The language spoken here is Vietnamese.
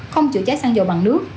không chữa cháy xăng dầu bằng nước